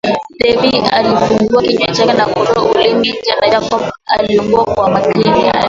Debby alifungua kinywa chake na kutoa ulimi nje na Jacob aliuangalia kwa makini